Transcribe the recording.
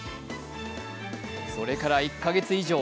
それから１か月以上。